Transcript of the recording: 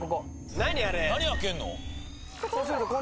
何開けるの？